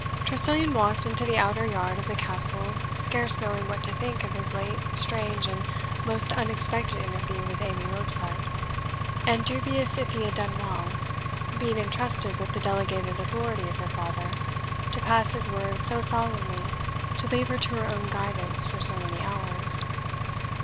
Tressilian walked into the outer yard of the Castle scarce knowing what to think of his late strange and most unexpected interview with Amy Robsart, and dubious if he had done well, being entrusted with the delegated authority of her father, to pass his word so solemnly to leave her to her own guidance for so many hours.